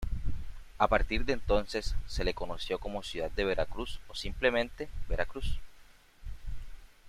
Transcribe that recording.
A partir de entonces, se le conoció como ciudad de Veracruz o simplemente, Veracruz.